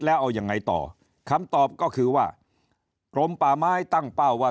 แล้วเอายังไงต่อคำตอบก็คือว่ากรมป่าไม้ตั้งเป้าว่า